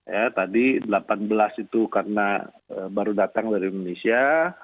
ya tadi delapan belas itu karena baru datang dari indonesia